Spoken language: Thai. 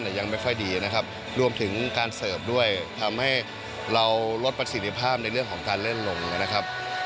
ยังไม่ค่อยดีนะครับรวมถึงการเสิร์ฟด้วยทำให้เราลดประสิทธิภาพในเรื่องของการเล่นลงนะครับ